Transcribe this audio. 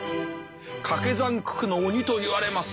掛け算九九の鬼といわれます